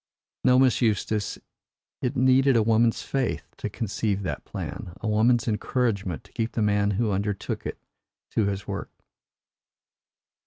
No, Miss Eustace, it needed a woman's faith to conceive that plan a woman's encouragement to keep the man who undertook it to his work."